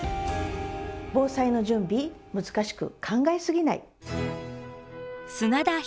防災の準備難しく考えすぎない。